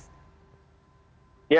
ya makanya itu saya sebut sangat terlambat ya